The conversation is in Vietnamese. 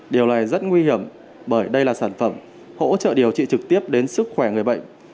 điều này rất nguy hiểm bởi đây là sản phẩm hỗ trợ điều trị trực tiếp đến sức khỏe người bệnh